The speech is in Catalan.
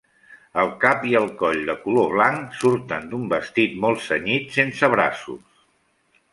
El cap i el coll, de color blanc, surten d'un vestit molt cenyit, sense braços.